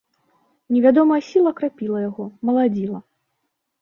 Невядомая сіла крапіла яго, маладзіла.